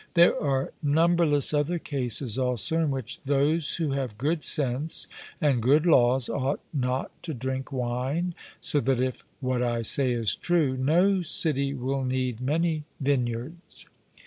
There are numberless other cases also in which those who have good sense and good laws ought not to drink wine, so that if what I say is true, no city will need many vineyards.